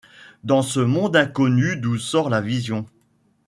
Dans ce monde inconnu d'où sort la vision